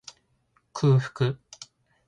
空腹